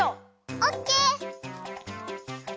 オッケー！